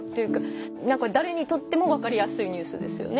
何か誰にとっても分かりやすいニュースですよね。